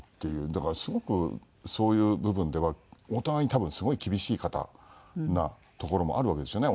だからすごくそういう部分ではお互いに多分すごい厳しい方なところもあるわけですよね